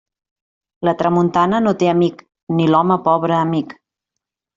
La tramuntana no té amic, ni l'home pobre amic.